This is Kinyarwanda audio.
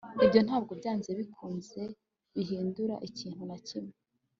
ibyo ntabwo byanze bikunze bihindura ikintu na kimwe